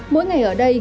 mỗi ngày ở đây